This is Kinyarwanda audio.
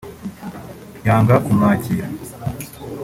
yanga kumwakira